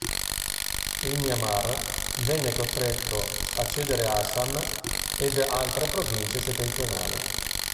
Il Myanmar venne costretto a cedere Assam ed altre province settentrionali.